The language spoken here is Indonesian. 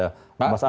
kepada mas arief